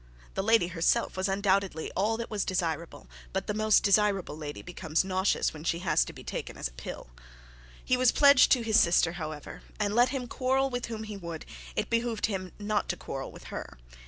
The lady herself was undoubtedly all that was desirable; but the most desirable lady becomes nauseous when she has to be taken as a pill. He was pledged to his sister, however, and let him quarrel with whom he would, it behoved him not to quarrel with her.